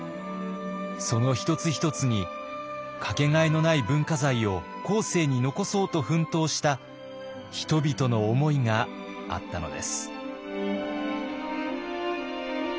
その一つ一つにかけがえのない文化財を後世に残そうと奮闘した人々の思いがあったのです。